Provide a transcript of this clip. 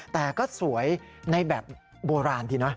แต่ก็สวยในแบบโบราณดีนะ